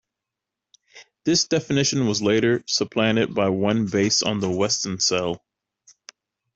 This definition was later supplanted by one based on the Weston cell.